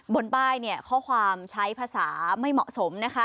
บนป้ายข้อความใช้ภาษาไม่เหมาะสมนะคะ